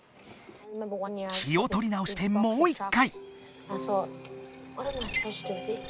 気をとり直してもう一回。